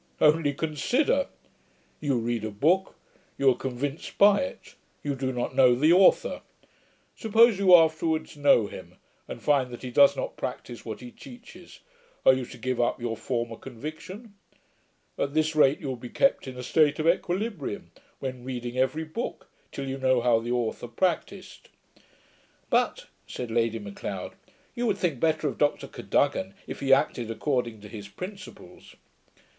Only consider! You read a book; you are convinced by it; you do not know the authour. Suppose you afterwards know him, and find that he does not practice what he teaches; are you to give up your former conviction At this rate you would be kept in a state of equilibrium, when reading every book, till you knew how the authour practised.' 'But,' said Lady M'Leod, 'you would think better of Dr Cadogan, if he acted according to his principles.'